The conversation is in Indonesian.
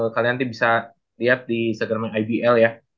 kalian nanti bisa lihat di segala macam ibl ya